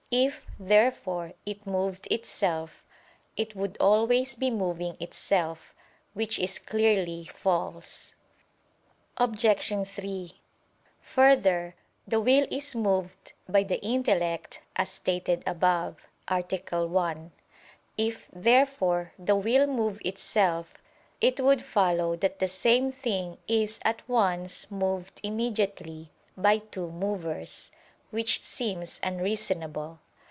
If, therefore, it moved itself, it would always be moving itself, which is clearly false. Obj. 3: Further, the will is moved by the intellect, as stated above (A. 1). If, therefore, the will move itself, it would follow that the same thing is at once moved immediately by two movers; which seems unreasonable.